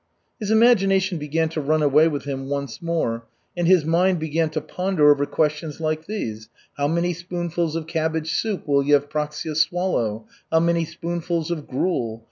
His imagination began to run away with him once more, and his mind began to ponder over questions like these: How many spoonfuls of cabbage soup will Yevpraksia swallow? How many spoonfuls of gruel?